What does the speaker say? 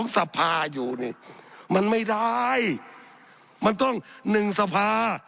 สับขาหลอกกันไปสับขาหลอกกันไป